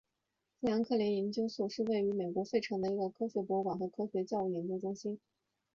富兰克林研究所是位于美国费城的一个科学博物馆和科学教育研究中心。